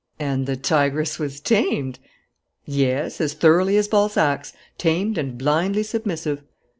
"And the tigress was tamed?" "Yes, as thoroughly as Balzac's: tamed and blindly submissive."